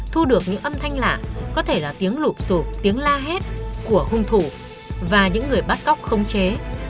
thu được những âm thanh lạ có thể là tiếng lụp sụp tiếng la hét của hung thủ và những người bắt cóc không chế